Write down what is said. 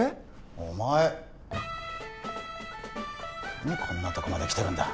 お前何こんなとこまで来てるんだ？